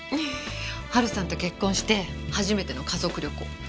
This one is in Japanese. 晴さんと結婚して初めての家族旅行。